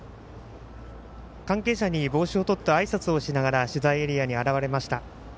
関係者に帽子をとってあいさつをしながら取材エリアに現れました。